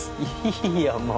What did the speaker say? いいよもう！